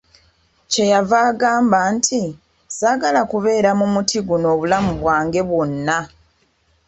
Kye yava agamba nti, saagala kubeera mu muti guno obulamu bwange bwonna.